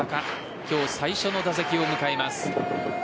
今日最初の打席を迎えます。